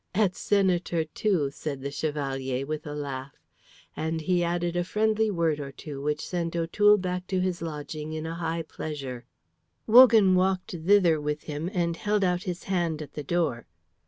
"Et senator too," said the Chevalier, with a laugh; and he added a friendly word or two which sent O'Toole back to his lodging in a high pleasure. Wogan walked thither with him and held out his hand at the door.